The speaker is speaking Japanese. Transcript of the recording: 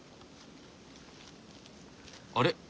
あれ？